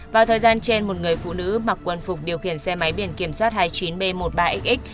vào thời gian trên một người phụ nữ mặc quân phục điều khiển xe máy biển kiểm soát hai mươi chín b một mươi ba x